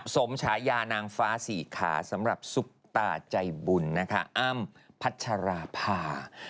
ฉายานางฟ้าสี่ขาสำหรับซุปตาใจบุญนะคะอ้ำพัชราภา